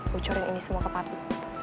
bocorin ini semua ke papi